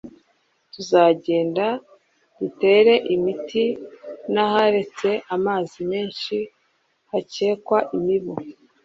tuzagenda dutera imiti n'aharetse amazi menshi hakekwa imibu